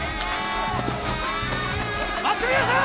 松宮さーん！